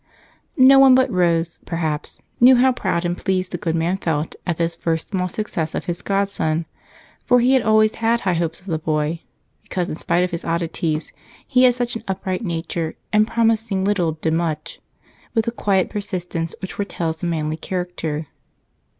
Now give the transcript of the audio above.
No one but Rose, perhaps, knew how proud and pleased the good man felt at this first small success of his godson, for he had always had high hopes of the boy, because in spite of his oddities he had such an upright nature, and promising little, did much, with the quiet persistence which foretells a manly character.